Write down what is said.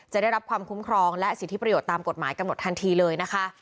ได้รับความคุ้มครองและสิทธิประโยชน์ตามกฎหมายกำหนดทันทีเลยนะคะ